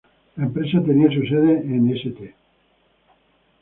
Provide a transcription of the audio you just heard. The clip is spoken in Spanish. La empresa tenía su sede en St.